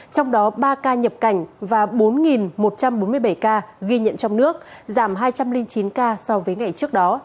trong đó ba ca nhập cảnh và bốn một trăm bốn mươi bảy ca ghi nhận trong nước giảm hai trăm linh chín ca so với ngày trước đó